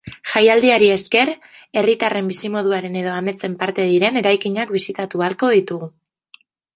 Jaialdiari esker, herritarren bizimoduaren edo ametsen parte diren eraikinak bisitatu ahalko ditugu.